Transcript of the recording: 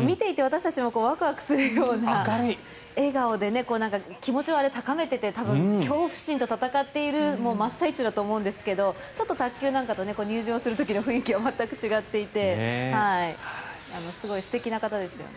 見ていて私たちもワクワクするような笑顔で気持ちを高めていて恐怖心と戦っている真っ最中だと思うんですけどちょっと卓球なんかと入場する時の雰囲気は全く違っていてすごい素敵な方ですよね。